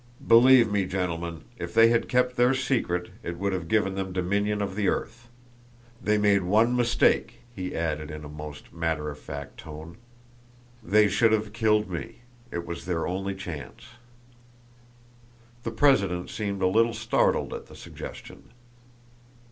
Believe me, gentlemen, if they had kept their secret it would have given them dominion of the earth. They made one mistake," he added in a most matter of fact tone. "They should have killed me; it was their only chance." The president seemed a little startled at the suggestion.